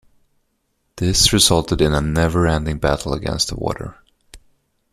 This resulted in a never-ending battle against the water.